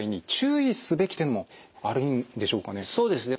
そうですね。